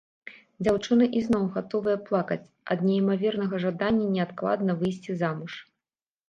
Дзяўчыны ізноў гатовыя плакаць ад неймавернага жадання неадкладна выйсці замуж.